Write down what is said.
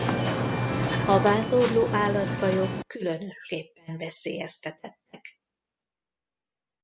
A vándorló állatfajok különösképpen veszélyeztetettek.